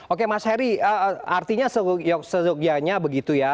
oke mas heri artinya sesungguhnya begitu ya